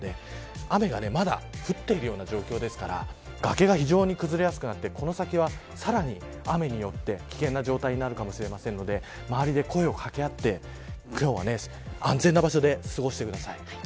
雨がまだ降っているような状況ですから崖が非常に崩れすくなってこの先は、さらに雨によって危険な状態になるかもしれませんので周りで声を掛け合って今日は安全な場所で過ごしてください。